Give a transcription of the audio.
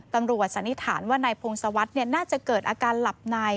ตำรวจสันนิษฐานว่านายพงศวรรษเนี่ยน่าจะเกิดอาการหลับใน